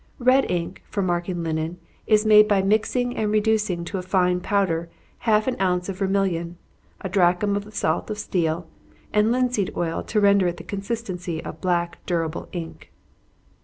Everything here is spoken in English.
Red ink, for marking linen, is made by mixing and reducing to a fine powder half an ounce of vermilion, a drachm of the salt of steel, and linseed oil to render it of the consistency of black durable ink.